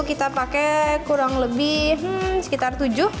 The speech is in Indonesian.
kita pakai kurang lebih sekitar tujuh